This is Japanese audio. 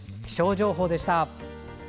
気象情報でした。